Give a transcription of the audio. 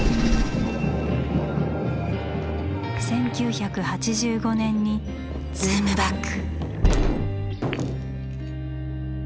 １９８５年にズームバック。